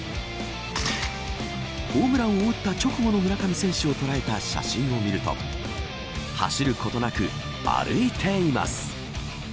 ホームランを打った直後の村上選手を捉えた写真を見ると走ることなく歩いています。